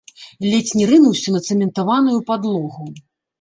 Ледзь не рынуўся на цэментаваную падлогу.